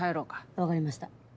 分かりました。